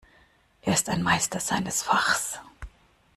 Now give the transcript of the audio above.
Er ist ein Meister seines Fachs.